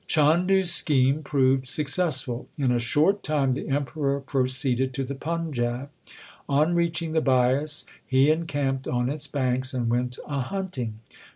Chandu s scheme proved successful. In a short time the Emperor proceeded to the Pan jab. On reaching the Bias he encamped on its banks and went a hunting.